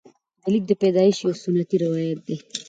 د لیک د پیدایښت یو سنتي روایت دی.